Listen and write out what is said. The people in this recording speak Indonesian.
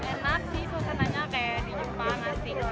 enak sih kesannya kayak di jepang